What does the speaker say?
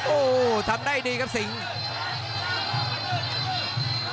โอ้โหทำได้ดีครับสิง